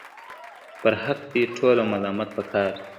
پرحق دي ټوله، ملامت په کار دئ